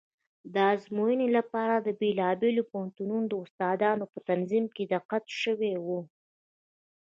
د ازموینې لپاره د بېلابېلو پوهنتونونو د استادانو په تنظیم کې دقت شوی و.